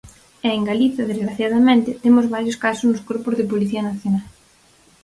E en Galiza, desgraciadamente, temos varios casos nos corpos de Policía Nacional.